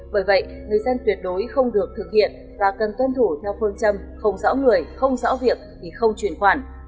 bởi vậy người dân tuyệt đối không được thực hiện và cần tuân thủ theo phương châm không rõ người không rõ việc thì không truyền khoản